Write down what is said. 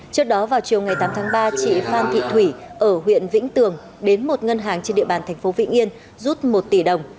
trước đó vào chiều ngày tám tháng ba chị phan thị thủy ở huyện vĩnh tường đến một ngân hàng trên địa bàn thành phố vĩnh yên rút một tỷ đồng